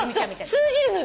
通じるのよ。